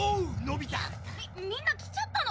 みっみんな来ちゃったの！？